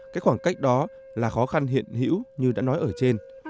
cái khoảng cách đó là khó khăn hiện hữu như đã nói ở trên